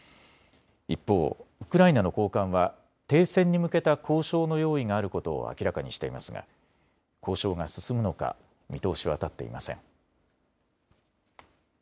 一方、ウクライナの高官は停戦に向けた交渉の用意があることを明らかにしていますが交渉が進むのか見通しは立っていません。